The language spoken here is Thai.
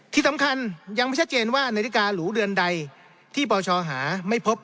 ที่สำคัญยังไม่ชัดเจนว่านาฬิกาหรูเดือนใดที่ปชหาไม่พบ